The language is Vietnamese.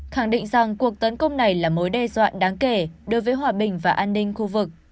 khẳng định rằng cuộc tấn công này là mối đe dọa đáng kể đối với hòa bình và an ninh khu vực